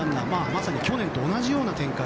まさに去年と同じような展開。